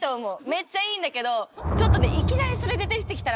めっちゃいいんだけどちょっとね